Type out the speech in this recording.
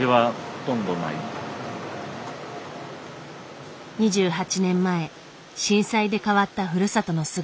２８年前震災で変わったふるさとの姿。